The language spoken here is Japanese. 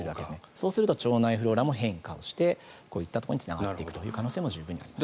そうすると腸内フローラも変化してこういったところにつながっていくことも十分あると思います。